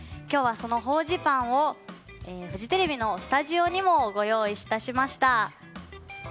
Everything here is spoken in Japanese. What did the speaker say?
今日はその法事パンをフジテレビのスタジオにもご用意しました。